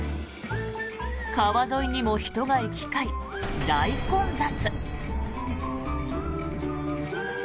川沿いにも人が行き交い大混雑。